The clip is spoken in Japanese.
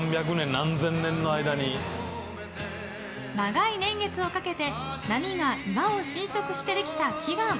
長い年月をかけて波が岩を浸食してできた奇岩。